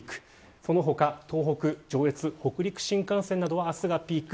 その他、東北上越、北陸新幹線などは明日がピーク。